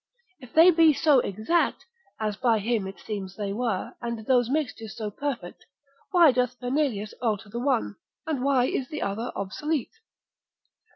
If they be so exact, as by him it seems they were, and those mixtures so perfect, why doth Fernelius alter the one, and why is the other obsolete?